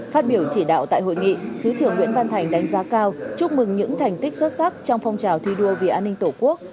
phát biểu chỉ đạo tại hội nghị thứ trưởng nguyễn văn thành đánh giá cao chúc mừng những thành tích xuất sắc trong phong trào thi đua vì an ninh tổ quốc